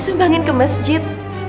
disumbangin ke masjid